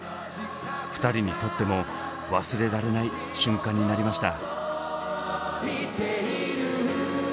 ２人にとっても忘れられない瞬間になりました。